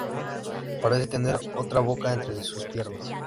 Parece tener otra boca entre sus piernas.